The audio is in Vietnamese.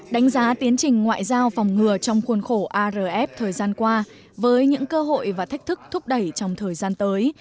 đánh giá tiến trình ngoại giao phòng ngừa trong khuôn khổ arf thời gian qua với những cơ hội và thách thức thúc đẩy trong thời gian tới